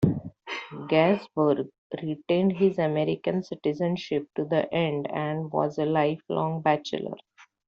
Gaisberg retained his American citizenship to the end, and was a lifelong bachelor.